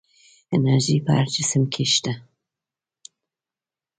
انرژي په هر جسم کې شته.